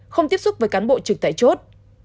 không tiếp xúc với cán bộ trực tại chốt